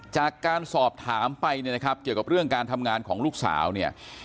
จากการสอบถามไปเนี่ยนะครับเกี่ยวกับเรื่องการทำงานของลูกสาวเนี่ย